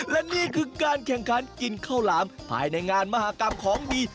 และนี่คือการแข่งขันกินข้าวหลามภายในงานมหากรรมของดี